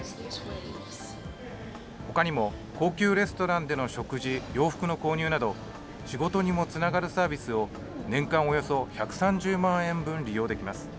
ほかにも、高級レストランでの食事、洋服の購入など、仕事にもつながるサービスを、年間およそ１３０万円分利用できます。